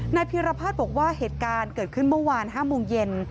พีรพัฒน์บอกว่าเหตุการณ์เกิดขึ้นเมื่อวาน๕โมงเย็น